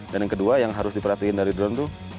dan yang kedua yang harus diperhatiin dari drone tuh